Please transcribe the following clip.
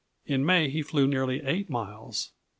In May he flew nearly 8 miles.